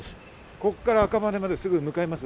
ここから赤羽まですぐ向かいます。